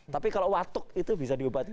tapi kalau watuk itu bisa diobati